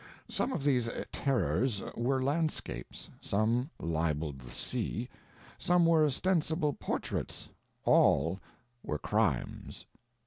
Some of these terrors were landscapes, some libeled the sea, some were ostensible portraits, all were crimes.